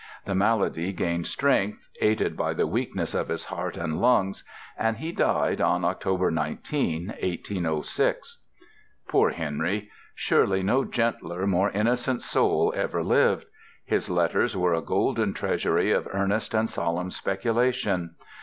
The malady gained strength, aided by the weakness of his heart and lungs, and he died on October 19, 1806. Poor Henry! Surely no gentler, more innocent soul ever lived. His letters are a golden treasury of earnest and solemn speculation.